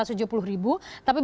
tapi bisa dikurangi sebagian